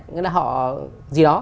nên là họ gì đó